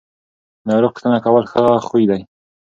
د ناروغ پوښتنه کول ښه خوی دی.